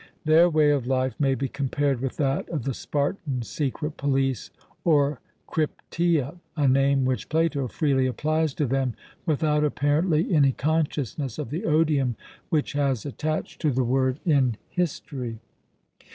Their way of life may be compared with that of the Spartan secret police or Crypteia, a name which Plato freely applies to them without apparently any consciousness of the odium which has attached to the word in history.